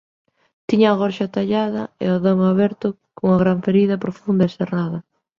Tiña a gorxa tallada e o abdome aberto cunha gran ferida profunda e serrada.